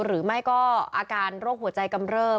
หรืออะไรก็อาการโรคหัวใจกำลือ